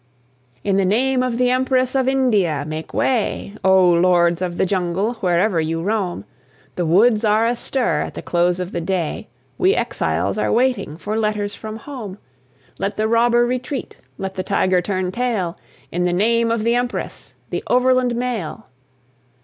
(1865 .) In the name of the Empress of India, make way, O Lords of the Jungle wherever you roam, The woods are astir at the close of the day We exiles are waiting for letters from Home Let the robber retreat; let the tiger turn tail, In the name of the Empress the Overland Mail!